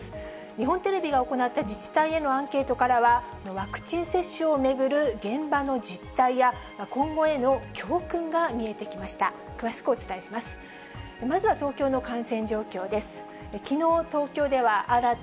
日本テレビが行った自治体へのアンケートからは、ワクチン接種を巡る現場の実態や、今後への教訓が見えてきました。